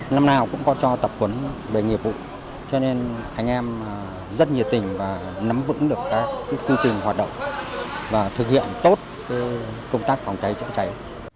năm nào cũng có cho tập quấn về nghiệp vụ cho nên anh em rất nhiệt tình và nắm vững được các quy trình hoạt động và thực hiện tốt công tác phòng cháy chữa cháy